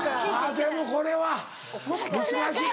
でもこれは難しい。